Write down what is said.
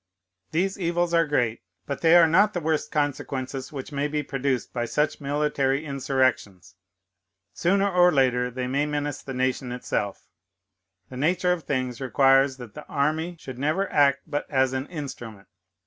"These evils are great; but they are not the worst consequences which may be produced by such military insurrections. Sooner or later they may menace the nation itself. The nature of things requires that the army should never act but as an instrument.